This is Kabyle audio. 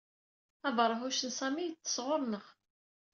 Abeṛhuc n Sami yeṭṭes ɣur-neɣ.